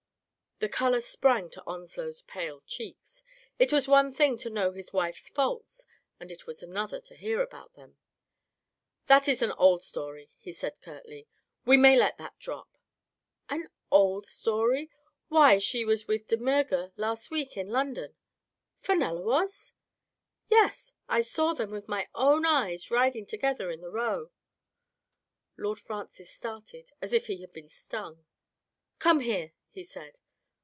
The color sprang to Onslow's pale cheeks. It was one thing to know his wife's faults, and it was another to hear about them. "That is an old story," he said curtly. "We may let that drop." An old story ? Why, she was with De Miirger last week in London." " Fenella was ?"" Yes, I saw them with my own eyes riding together in the Row." Lord Francis started as if he had been stung. " Come here !" he said.